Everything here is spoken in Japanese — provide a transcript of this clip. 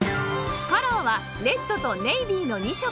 カラーはレッドとネイビーの２色